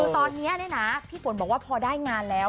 คือตอนนี้พี่ฝนบอกว่าพอได้งานแล้ว